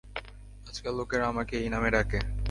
আজকাল লোকেরা আমাকে এই নামে ডাকে।